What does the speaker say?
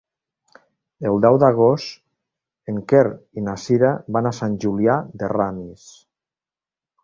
El deu d'agost en Quer i na Sira van a Sant Julià de Ramis.